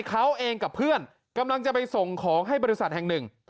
เขาเองกับเพื่อนกำลังจะไปส่งของให้บริษัทแห่งหนึ่ง